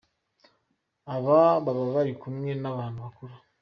Aba baba bari kumwe n’ abantu bakuru.